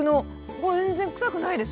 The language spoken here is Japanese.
これ全然臭くないです。